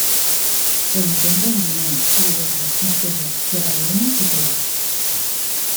Se encuentra en Guinea, Liberia, Nigeria, Sierra Leona y Togo.